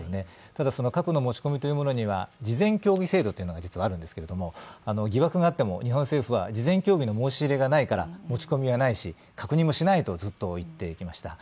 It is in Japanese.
ただ、核の持ち込みというものには事前協議制度というのがあるんですけれども疑惑があっても、日本政府は事前協議の申し入れがないから持ち込みはないし、確認もしないとずっと言ってきました。